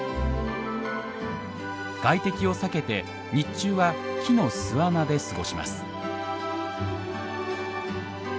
外敵を避けて日中は木の巣穴で過ごします。